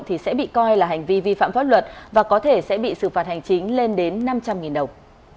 thì sẽ bị coi là hành vi vi phạm pháp luật và có thể sẽ bị xử phạt hành chính lên đến năm trăm linh đồng